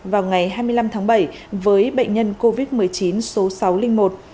vào ngày hai mươi năm tháng bảy với bệnh nhân covid một mươi chín số sáu trăm linh một